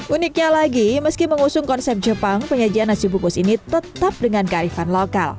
uniknya lagi meski mengusung konsep jepang penyajian nasi bungkus ini tetap dengan kearifan lokal